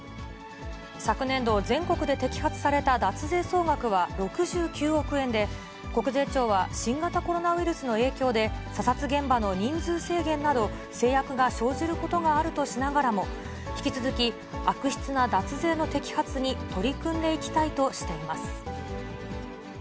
昨年度、全国で摘発された脱税総額は６９億円で、国税庁は新型コロナウイルスの影響で、査察現場の人数制限など、制約が生じることがあるとしながらも、引き続き悪質な脱税の摘発に取り組んでいきたいとしています。